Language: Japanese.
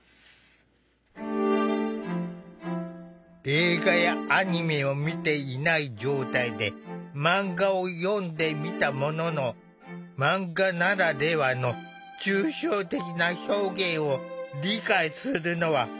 映画やアニメを見ていない状態でマンガを読んでみたもののマンガならではの抽象的な表現を理解するのは難しかった。